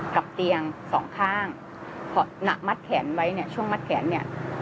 กับเตียงสองข้างหนักมัดแขนไว้เนี่ยช่วงมัดแขนเนี่ย